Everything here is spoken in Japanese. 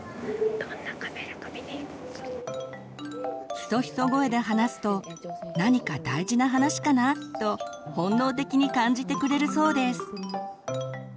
ヒソヒソ声で話すと「何か大事な話かな？」と本能的に感じてくれるそうです。